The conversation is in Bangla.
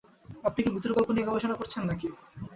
আপনি কি ভূতের গল্প নিয়ে গবেষণা করছেন নাকি?